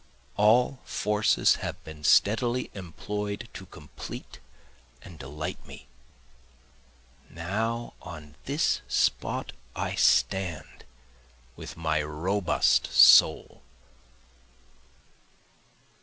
All forces have been steadily employ'd to complete and delight me, Now on this spot I stand with my robust soul.